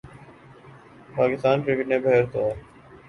Pakistan cricket نے بہرطور